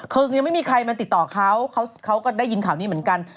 คือยังไม่มีใครมาติดต่อเขาเขาก็ได้ยินข่าวนี้เหมือนกัน